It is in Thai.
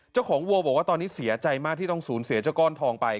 วัวบอกว่าตอนนี้เสียใจมากที่ต้องสูญเสียเจ้าก้อนทองไป